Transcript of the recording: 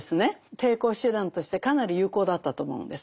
抵抗手段としてかなり有効だったと思うんです。